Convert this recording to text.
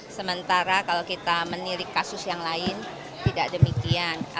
sementara kalau kita menilik kasus yang lain tidak demikian